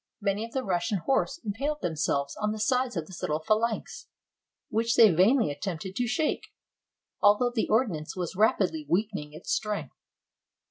Many of the Russian horse impaled themselves on the sides of this little phalanx, which they vainly attempted to shake, although the ordnance was rapidly weakening its strength.